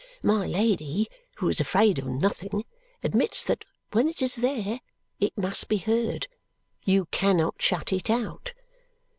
My Lady, who is afraid of nothing, admits that when it is there, it must be heard. You cannot shut it out.